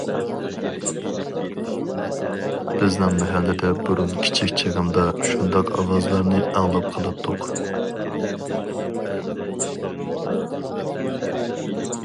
بىزنىڭ مەھەللىدە بۇرۇن كىچىك چېغىمدا شۇنداق ئاۋازلارنى ئاڭلاپ قالاتتۇق.